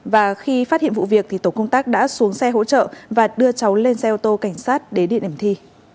và khi phát hiện vụ việc thì tổ công tác đã xuống xe hỗ trợ và đưa cháu lên xe ô tô cảnh sát đến địa điểm thi